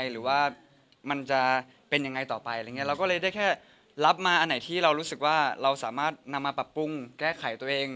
เราก็เลยได้แค่รับมาอันไหนที่เรารู้สึกว่าเราสามารถนำมาปรับปรุงแก้ไขตัวเอง